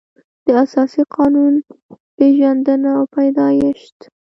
د اساسي قانون پېژندنه او پیدایښت